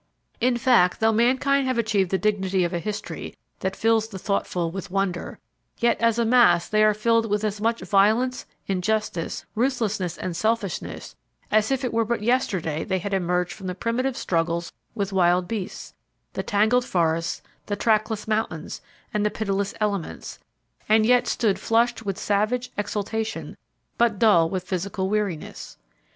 In fact, though mankind have achieved the dignity of a history that fills the thoughtful with wonder, yet as a mass they are filled with as much violence, injustice, ruthlessness and selfishness as if it were but yesterday they had emerged from the primitive struggles with wild beasts, the tangled forests, the trackless mountains, and the pitiless elements, and yet stood flushed with savage exultation but dull with physical weariness.